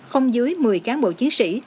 không dưới một mươi cán bộ chiến sĩ